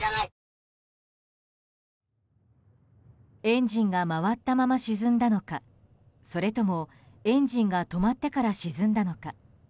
エンジンが回ったまま沈んだのかそれともエンジンが止まってから沈んだのか。